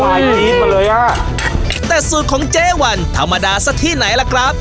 ได้อีดมาเลยฮะอ้าวแต่สูตรของเจ้าวันธรรมดาสักที่ไหนล่ะครับ